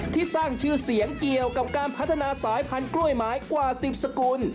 ที่สร้างชื่อเสียงเกี่ยวกับการพัฒนาสายพันธุ์กล้วยไม้กว่า๑๐สกุล